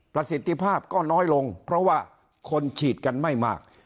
ประสิทธิภาพก็น้อยลงเพราะว่าคนฉีดกันไม่มาก